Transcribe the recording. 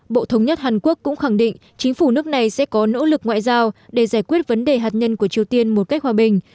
bộ thống nhất hàn quốc cũng khẳng định chính phủ nước này sẽ có nỗ lực ngoại giao để giải quyết vấn đề hạt nhân của triều tiên một cách hòa bình